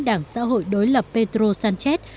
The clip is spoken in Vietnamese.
đảng xã hội đối lập pedro sánchez